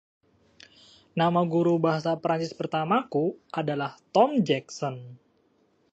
Nama guru bahasa Prancis pertamaku adalah Tom Jackson.